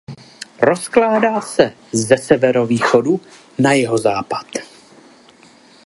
Rozkládá se ze severovýchodu na jihozápad.